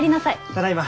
ただいま。